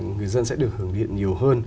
người dân sẽ được hưởng điện nhiều hơn